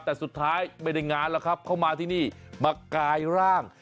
แต่สุดท้ายไม่ได้งานแล้วครับเข้ามาที่นี่มากายร่าง